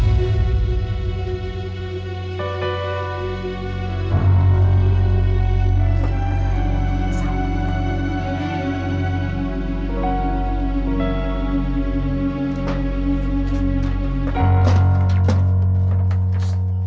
terima kasih pak